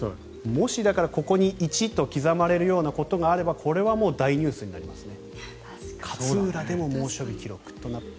もし、ここに１と刻まれるようなことがあればこれはもう大ニュースになりますね。